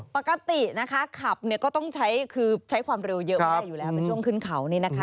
ปกติขับก็ต้องใช้ความเร็วเยอะมากได้อยู่แล้วเป็นช่วงขึ้นเขานี้นะคะ